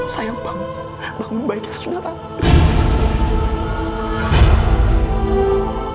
sayang bangun bangun bayi kita sudah lahir